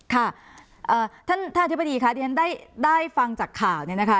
ค่ะท่านท่านอธิบดีค่ะที่ฉันได้ฟังจากข่าวเนี่ยนะคะ